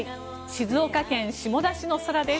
静岡県下田市の空です。